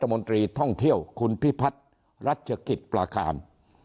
มนตรีท่องเที่ยวคุณพิพัฒน์รัชกิจประการ